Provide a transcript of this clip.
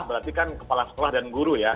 berarti kan kepala sekolah dan guru ya